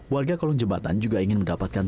warga kolong jembatan juga ingin mendapatkan